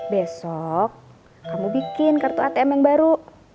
besok kamu bikin kartu atm yang baru